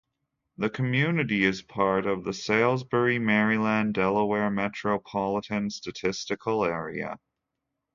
The community is part of the Salisbury, Maryland-Delaware Metropolitan Statistical Area.